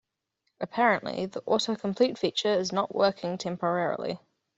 Apparently, the autocomplete feature is not working temporarily.